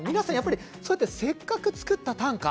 そうやってせっかく作った短歌